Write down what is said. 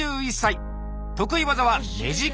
得意技は「目力」。